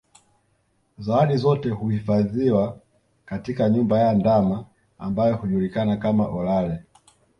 Zawadi zote huhifadhiwa katika nyumba ya ndama ambayo hujulikana kama Olale